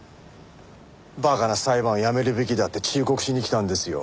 馬鹿な裁判をやめるべきだって忠告しに来たんですよ。